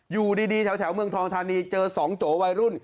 อยู่ดีแถวเมืองทองทานีเจอ๒โจวัยรุ่น